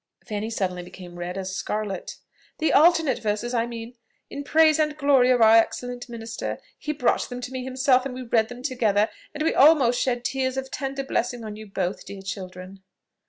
Fanny suddenly became as red as scarlet. "The alternate verses, I mean, in praise and glory of our excellent minister. He brought them to me himself, and we read them together, and we almost shed tears of tender blessing on you both, dear children!"